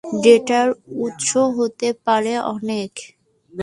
ডেটার উৎস হতে পারে অনেক।